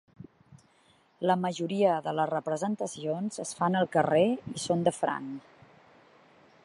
La majoria de les representacions es fan al carrer i són de franc.